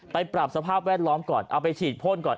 ปรับสภาพแวดล้อมก่อนเอาไปฉีดพ่นก่อน